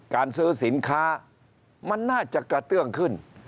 การซื้อสินค้ามันน่าจะกระเตื้องขึ้น